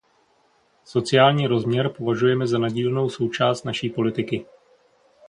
Sociální rozměr považujeme za nedílnou součást naší politiky.